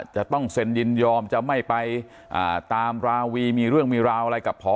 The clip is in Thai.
จะต้องเซ็นยินยอมจะไม่ไปตามราวีมีเรื่องมีราวอะไรกับพอ